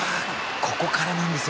ここからなんですよ。